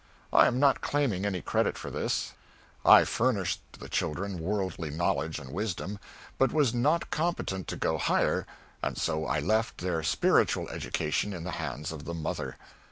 I am not claiming any credit for this. I furnished to the children worldly knowledge and wisdom, but was not competent to go higher, and so I left their spiritual education in the hands of the mother.